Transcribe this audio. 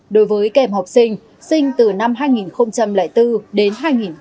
đối với kèm học sinh sinh từ năm hai nghìn bốn đến hai nghìn tám